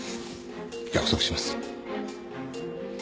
約束します。